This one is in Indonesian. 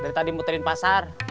dari tadi muterin pasar